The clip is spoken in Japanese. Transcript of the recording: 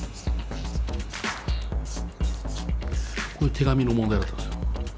これ手紙の問題だったんですよ。